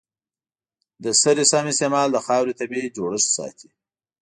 د سرې سم استعمال د خاورې طبیعي جوړښت ساتي.